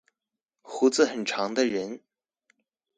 鬍子很長的人